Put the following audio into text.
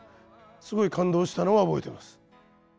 すごい感動したのは覚えています。